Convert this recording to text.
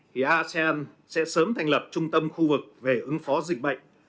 thì asean sẽ sớm thành lập trung tâm khu vực về ứng phó dịch bệnh